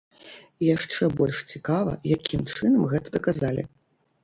Яшчэ больш цікава, якім чынам гэта даказалі.